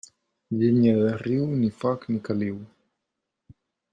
Llenya de riu, ni foc ni caliu.